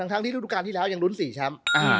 ทั้งที่รูปการณ์ที่แล้วยังรุ้น๔ช้ำ